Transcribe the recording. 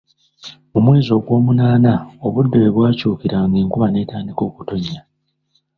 Mu mwezi ogw'omunaana obudde we bwakyukiranga enkuba ne tandika okutonnya.